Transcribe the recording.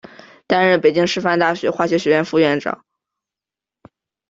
担任北京师范大学化学学院副院长。